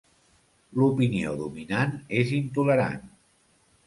L'opinió dominant és intolerant.